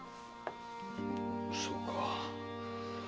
そうか。